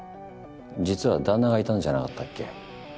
実は旦那がいたんじゃなかったっけ？